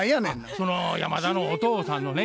その山田のお父さんのね